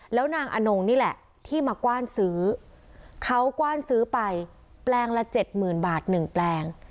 แล้วนางอนงนี่แหละที่มากว้านซื้อเขากว้านซื้อไปแปลงละเจ็ดหมื่นบาท๑แปลง